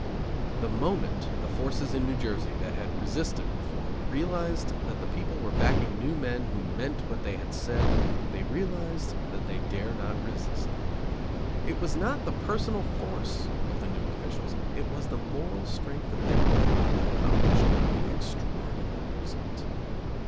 The moment the forces in New Jersey that had resisted reform realized that the people were backing new men who meant what they had said, they realized that they dare not resist them. It was not the personal force of the new officials; it was the moral strength of their backing that accomplished the extraordinary result.